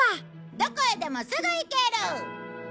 どこへでもすぐ行ける！